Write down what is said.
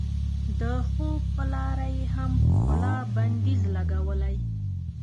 د خوب په لار یې هم ښکلا بندیز لګولی.